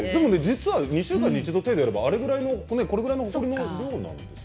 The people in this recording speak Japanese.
２週間に一度程度ならこれぐらいのほこりの量なんですね。